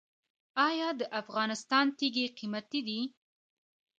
آیا د افغانستان تیږې قیمتي دي؟